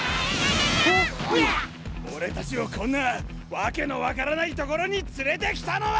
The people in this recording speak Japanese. オレたちをこんなわけのわからないところにつれてきたのは！